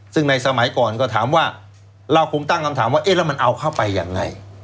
ซึ่งในสมัยก่อนก็ถามว่าเราคงตั้งคำถามว่าเอ๊ะแล้วมันเอาเข้าไปยังไง